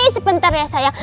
sebentar ya sayang